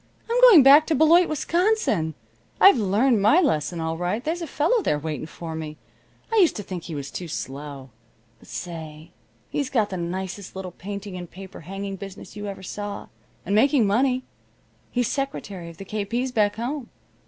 I'm going back to Beloit, Wisconsin. I've learned my lesson all right. There's a fellow there waiting for me. I used to think he was too slow. But say, he's got the nicest little painting and paper hanging business you ever saw, and making money. He's secretary of the K. P.'s back home.